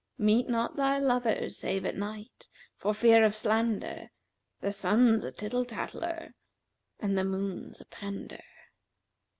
Meet not thy lover save at night for fear of slander * The Sun's a tittle tattler and the Moon's a pander.'